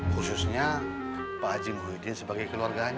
khususnya pak haji muhyiddin sebagai keluarganya